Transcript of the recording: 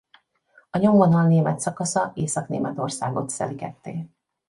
A nyomvonal német szakasza Észak-Németországot szeli ketté.